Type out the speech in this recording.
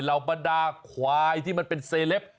บรรดาควายที่มันเป็นเซเลป